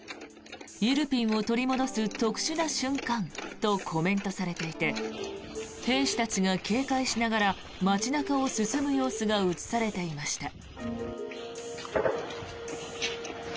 イルピンを取り戻す特殊な瞬間とコメントされていて兵士たちが警戒しながら街中を進む様子が映されていました。